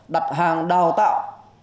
đặt hàng đào tạo